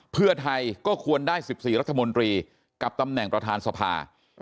เพื่อไทยก็ควรได้๑๔รัฐมนตรีกับตำแหน่งประธานสภา